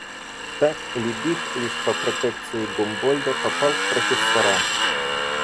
Так, Либих лишь по протекции Гумбольдта попал в профессора.